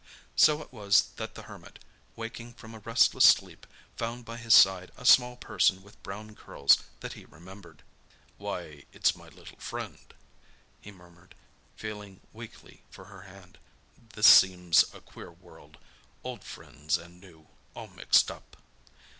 So it was that the Hermit, waking from a restless sleep, found by his side a small person with brown curls that he remembered. "Why, it's my little friend," he murmured, feeling weakly for her hand. "This seems a queer world—old friends and new, all mixed up."